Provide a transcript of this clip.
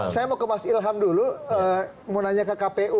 saya mau ke mas ilham dulu mau nanya ke kpu